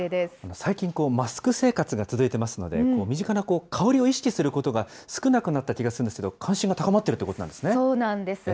最近、マスク生活が続いてますので、身近な香りを意識することが少なくなった気がするんですけど、関心が高まっているということなんですね。